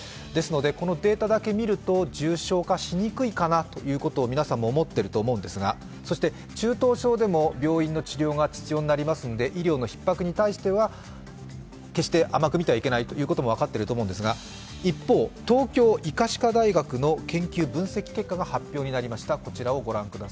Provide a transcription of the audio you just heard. ですので、このデータだけ見ると重症化しにくいかなということを皆さんも思っていると思うんですがそして中等症でも病院の治療が必要になりますので医療のひっ迫に対しては決して甘くみてはいけないということも分かっていると思うんですが一方、東京医科歯科大学の研究分析結果が発表されました。